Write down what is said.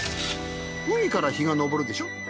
海から日が昇るでしょ？